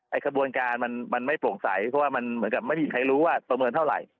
กระบวนการมันไม่โปร่งใสเพราะว่ามันเหมือนกับไม่มีใครรู้ว่าประเมินเท่าไหร่